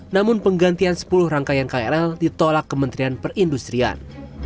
namun penggantian sepuluh rangkaian krl ditolak kementerian perindustrian